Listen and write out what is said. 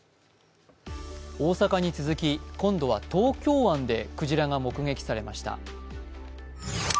大阪に続き、今度は東京湾でクジラが目撃されました。